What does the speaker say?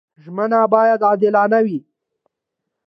ژمنه باید عادلانه وي.